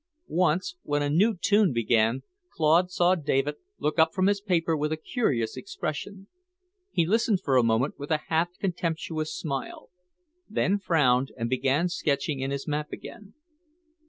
Once, when a new tune began, Claude saw David look up from his paper with a curious expression. He listened for a moment with a half contemptuous smile, then frowned and began sketching in his map again.